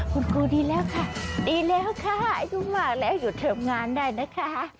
คุณครูดีแล้วค่ะดีแล้วค่ะอายุมากแล้วหยุดทำงานได้นะคะ